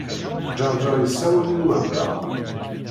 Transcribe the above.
Ǧeṛǧeṛ yessawel i Uheggaṛ.